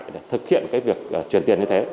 để thực hiện cái việc truyền tiền như thế